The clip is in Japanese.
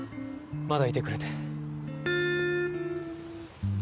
まだいてくれて。